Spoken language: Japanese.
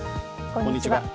こんにちは。